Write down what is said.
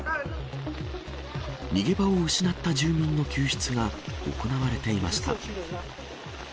逃げ場を失った住民の救出が行われていました。